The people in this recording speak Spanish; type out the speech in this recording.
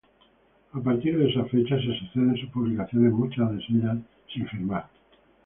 A partir de esa fecha se suceden sus publicaciones, muchas de ellas sin firmar.